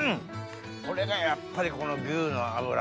これがやっぱりこの牛の脂。